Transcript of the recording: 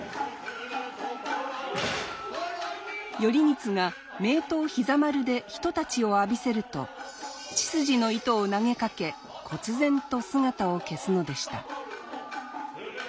頼光が名刀膝丸で一太刀を浴びせると千筋の糸を投げかけ忽然と姿を消すのでした。